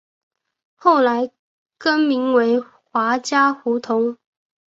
后来更名为华嘉胡同。